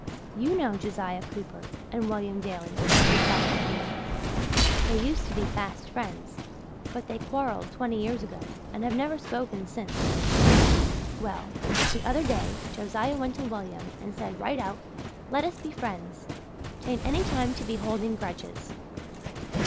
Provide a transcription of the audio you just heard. You know Josiah Cooper and William Daley, Mrs. Dr. dear. They used to be fast friends but they quarrelled twenty years ago and have never spoken since. Well, the other day Josiah went to William and said right out, 'Let us be friends. 'Tain't any time to be holding grudges.'